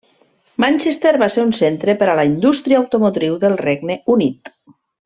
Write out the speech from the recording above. Manchester va ser un centre per a la indústria automotriu del Regne Unit.